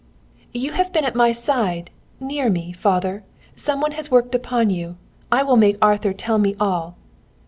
"You have been at my side, near me, father. Some one has worked upon you. I will make Arthur tell me all."